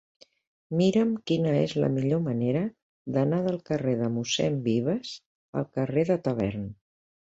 Mira'm quina és la millor manera d'anar del carrer de Mossèn Vives al carrer de Tavern.